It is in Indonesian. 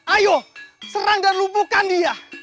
ayo serang dan lubukkan dia